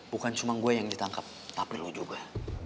bukan cuma gue yang ditangkap tapi lu juga